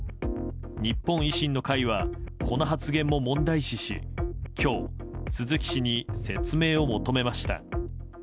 日本維新の会はこの発言も問題視し今日、鈴木氏に説明を求めました。